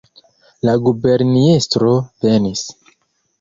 La guberniestro venis!